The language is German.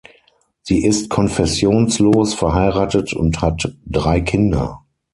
Sie ist konfessionslos, verheiratet und hat drei Kinder.